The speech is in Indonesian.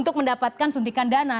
untuk mendapatkan suntikan dana